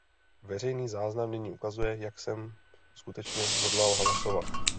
Veřejný záznam nyní ukazuje, jak jsem skutečně hodlal hlasovat.